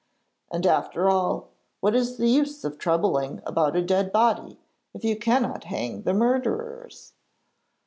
And after all, what is the use of troubling about a dead body, if you cannot hang the murderers?'